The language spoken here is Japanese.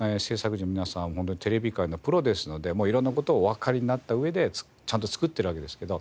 ホントにテレビ界のプロですので色んな事をおわかりになった上でちゃんと作ってるわけですけど。